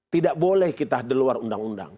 tidak boleh kita deluar undang undang